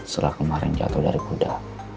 setelah kemarin jatuh dari kuda